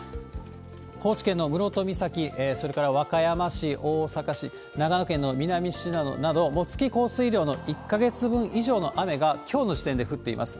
高知県の室戸岬、それから和歌山市、大阪市、長野県の南信濃など、もう月降水量の１か月分以上の雨がきょうの時点で降っています。